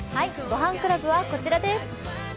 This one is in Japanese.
「ごはんクラブ」はこちらです。